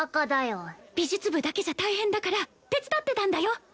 美術部だけじゃ大変だから手伝ってたんだよ！